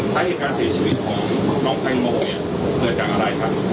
ภัยเหตุการณ์เสียชีวิตของน้องแพงโมหกเผื่อจังอะไรครับ